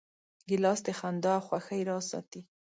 ګیلاس د خندا او خوښۍ راز ساتي.